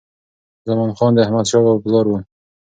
زمان خان د احمدشاه بابا پلار و.